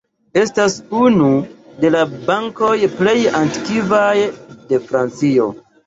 Estas unu de la bankoj plej antikvaj de Francio.